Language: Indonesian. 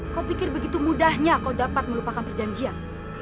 kau pikir begitu mudahnya kau dapat melupakan perjanjian